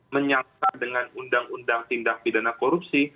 menyangka dengan undang undang tindak pidana korupsi